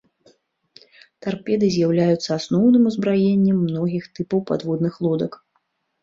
Тарпеды з'яўляюцца асноўным узбраеннем многіх тыпаў падводных лодак.